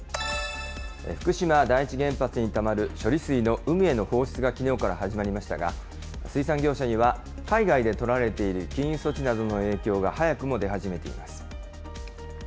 福島第一原発にたまる処理水の海への放出がきのうから始まりましたが、水産業者には海外で取られている禁輸措置などの影響が早くも出始めています。